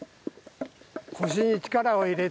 腰に力を入れて。